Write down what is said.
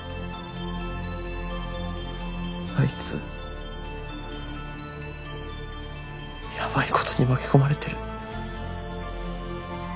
あいつやばいことに巻き込まれてる。